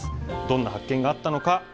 どんな発見があったのか。